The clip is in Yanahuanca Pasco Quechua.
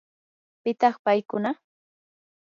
¿pitaq paykuna?